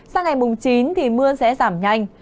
sang ngày chín mưa sẽ giảm nhanh